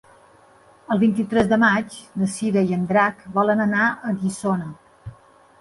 El vint-i-tres de maig na Cira i en Drac volen anar a Guissona.